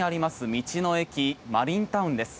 道の駅マリンタウンです。